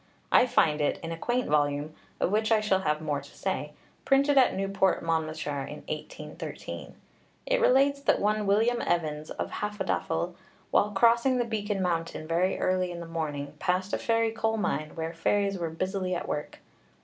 I find it in a quaint volume (of which I shall have more to say), printed at Newport, Monmouthshire, in 1813. It relates that one William Evans, of Hafodafel, while crossing the Beacon Mountain very early in the morning, passed a fairy coal mine, where fairies were busily at work.